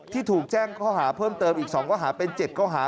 ที่ถูกแจ้งข้อหาเพิ่มเติมอีก๒ข้อหาเป็น๗ข้อหา